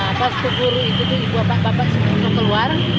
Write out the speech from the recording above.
nah pas itu guru itu itu